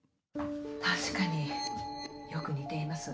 確かによく似ています。